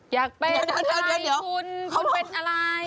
อยากเป็นอะไรคุณคุณเป็นอะไร